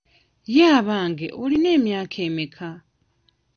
Ye abange olina emyaka emeka?